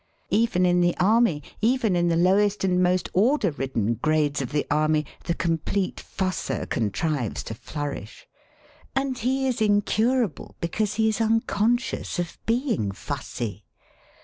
Even in the army, even in the lowest and most order ridden grades of the army, the complete fusser contrives to flourish. And he is incurable because he is uncon scious of being fussy.